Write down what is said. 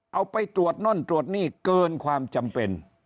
เอาไปตรวจโน่นตรวจนี่เกินความจำเป็น